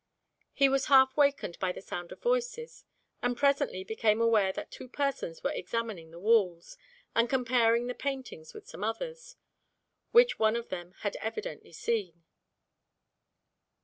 He was half wakened by the sound of voices, and presently became aware that two persons were examining the walls, and comparing the paintings with some others, which one of them had evidently seen.